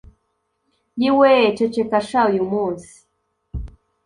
yiweee ceceka sha uyu munsi